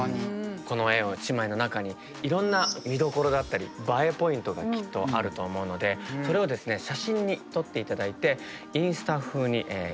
この絵１枚の中にいろんな見どころだったりＢＡＥポイントがきっとあると思うのでそれを写真に撮って頂いてインスタ風に切り取って頂きました。